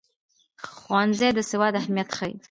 ښوونځی د سواد اهمیت ښيي.